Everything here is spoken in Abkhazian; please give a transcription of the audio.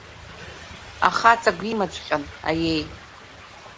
Ахаҵагә имаҵәҟьан, аиеи…